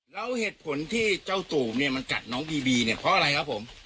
แล้วเหตุผลที่เจ้าตูบเนี่ยมันกัดน้องบีบีเนี่ยเพราะอะไรครับผม